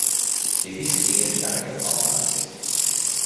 বেবিসিটিংয়ের টাকাটা পাওনা আছে।